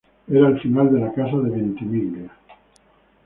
Era el final de la casa de Ventimiglia.